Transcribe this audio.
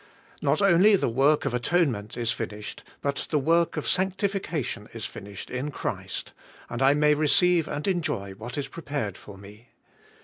Not only the work of atonement is finished, but the work of sanctification is finished in Christ, and I may receive and enjoy what is pre pared for me.